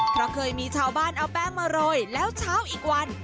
เพราะเคยมีชาวบ้านเอาแป้งมาโรยแล้วเช้าอีกวัน